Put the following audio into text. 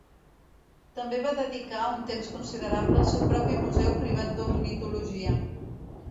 També va dedicar un temps considerable al seu propi museu privat d'ornitologia.